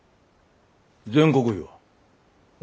全国比は？